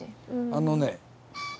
あのね。